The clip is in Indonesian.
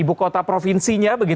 ibu kota provinsinya